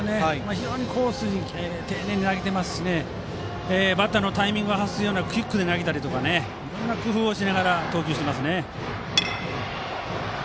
非常にコースに丁寧に投げていますしバッターのタイミングを外すようなクイックで投げたりいろんな工夫しながら投球していますね。